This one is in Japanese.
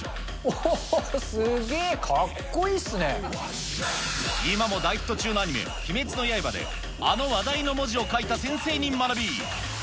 すげー、今も大ヒット中のアニメ、鬼滅の刃で、あの話題の文字を書いた先生に学び。